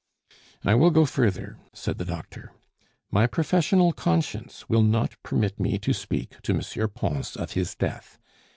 "I will go further," said the doctor; "my professional conscience will not permit me to speak to M. Pons of his death.